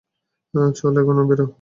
চল, এখন বেরো।